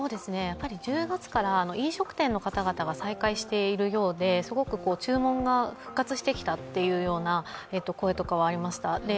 １０月から飲食店の方々が再開しているようで、注文が復活してきたという声とかはありました。